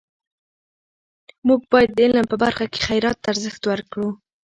موږ باید د علم په برخه کې خیرات ته ارزښت ورکړو.